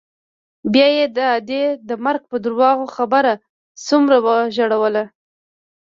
زه يې د ادې د مرګ په درواغ خبر څومره وژړولوم.